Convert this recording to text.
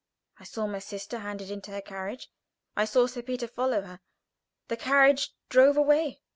I saw my sister handed into her carriage; I saw Sir Peter follow her the carriage drive away.